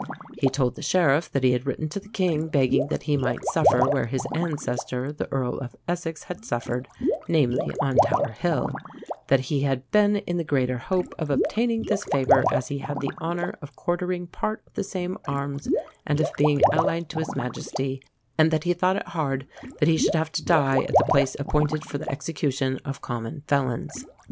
He told the Sheriff that he had written to the King, begging that he might suffer where his ancestor, the Earl of Essex, had suffered namely, on Tower Hill; that 'he had been in the greater hope of obtaining this favour as he had the honour of quartering part of the same arms and of being allied to his Majesty; and that he thought it hard that he should have to die at the place appointed for the execution of common felons.'